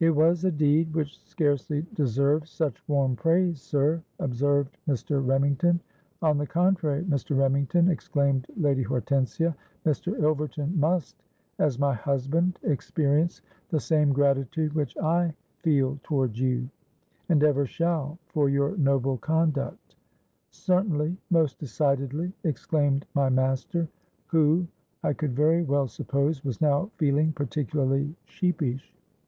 '—'It was a deed which scarcely deserves such warm praise, sir,' observed Mr. Remington.—'On the contrary, Mr. Remington,' exclaimed Lady Hortensia, 'Mr. Ilverton must, as my husband, experience the same gratitude which I feel towards you, and ever shall, for your noble conduct.'—'Certainly, most decidedly,' exclaimed my master, who, I could very well suppose, was now feeling particularly sheepish.